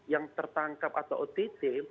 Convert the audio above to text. yang tertangkap atau ott